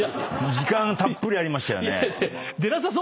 時間たっぷりありましたよね。